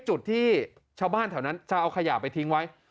จุดที่ชาวบ้านแถวนั้นจะเอาขยะไปทิ้งไว้